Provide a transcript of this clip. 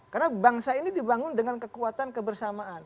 karena bangsa ini dibangun dengan kekuatan kebersamaan